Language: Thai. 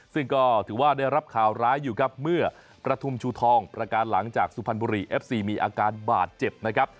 ซึ่งก็ถือว่าได้รับข่าวร้ายอยู่ครับเมื่อประทุมชูทองประการหลังจากสุพรรณบุรีเอฟซีมีอาการบาดเจ็บนะครับ